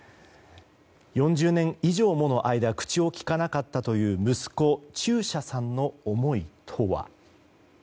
４０年以上もの間口をきかなかったという息子中車さんの思いとは。